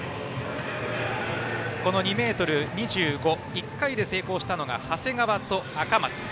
２ｍ２５を１回で成功したのが長谷川と赤松。